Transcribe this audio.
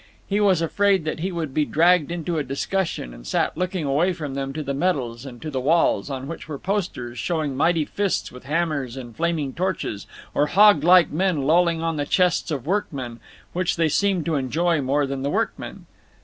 He was afraid that he would be dragged into a discussion, and sat looking away from them to the medals, and to the walls, on which were posters, showing mighty fists with hammers and flaming torches, or hog like men lolling on the chests of workmen, which they seemed to enjoy more than the workmen.